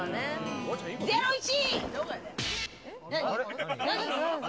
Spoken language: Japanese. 『ゼロイチ』！